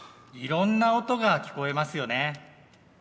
いろんな音が聞こえますよね。